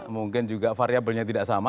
mungkin juga variabelnya tidak sama